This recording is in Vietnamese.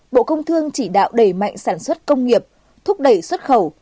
bộ công thương chỉ đạo đẩy mạnh sản xuất công nghiệp thúc đẩy xuất khẩu